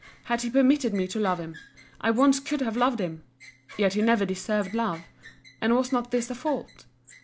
—had he permitted me to love him, I once could have loved him. Yet he never deserved love. And was not this a fault?